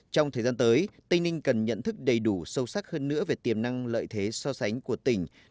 trong thời gian tới tây ninh cần nhận thức đầy đủ sâu sắc hơn nữa về tiềm năng lợi thế so sánh của tỉnh